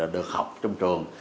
được học trong trường